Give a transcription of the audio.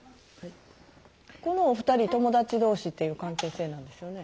このお二人友達同士っていう関係性なんですよね？